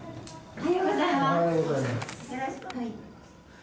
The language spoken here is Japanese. おはようございます。